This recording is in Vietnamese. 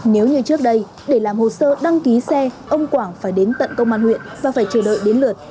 nếu như trước đây để làm hồ sơ đăng ký xe ông quảng phải đến tận công an huyện và phải chờ đợi đến lượt